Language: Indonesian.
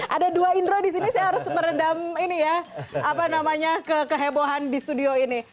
ada dua indro di sini saya harus merendam kehebohan di studio ini